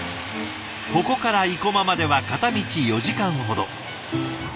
ここから生駒までは片道４時間ほど。